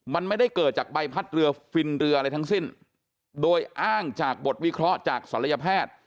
มันไม่ได้เกิดจากใบพัดเรือฟินเรืออะไรทั้งสิ้นโดยอ้างจากบทวิเคราะห์จากศัลยแพทย์